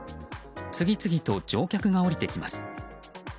次々と乗客が降りてきます。